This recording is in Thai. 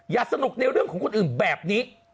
สนุกในเรื่องของคนอื่นแบบนี้